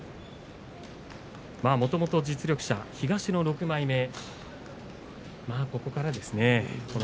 もともと実力者東の６枚目、ここからですね。